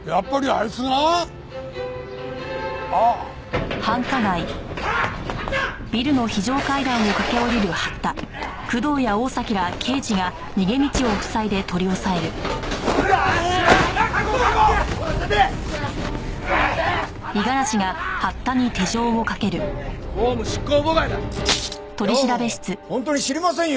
いや本当に知りませんよ